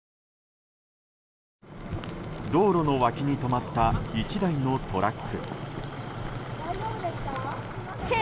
道路の脇に止まった１台のトラック。